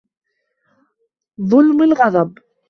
ظُلْمَ الْغَضَبِ